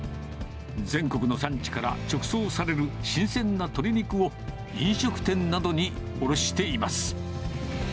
全国の産地から直送される新鮮な鶏肉を、飲食店などに卸しています。